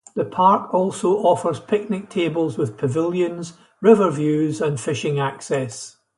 The park also offers picnic tables with pavilions, river views, and fishing access.